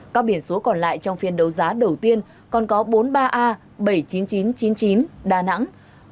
các biển số còn lại trong phiên đấu giá đầu tiên còn có bốn mươi ba a bảy mươi chín nghìn chín trăm chín mươi chín đà nẵng